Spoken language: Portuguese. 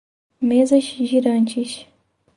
Mesas girantes